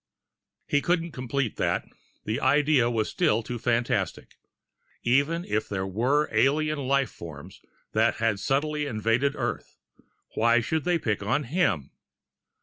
He couldn't complete that. The idea was still too fantastic. Even if there were alien life forms that were subtly invading Earth, why should they pick on him?